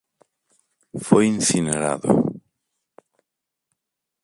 Foi incinerado.